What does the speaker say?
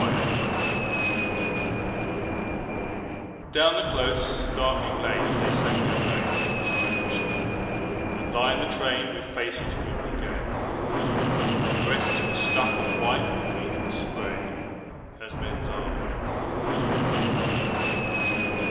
The Send off Down the close, darkening lanes they sang their way To the siding shed, And lined the train with faces grimly gay. Their breasts were stuck all white with wreath and spray As men's are, dead.